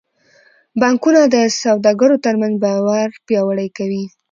بانکونه د سوداګرو ترمنځ باور پیاوړی کوي.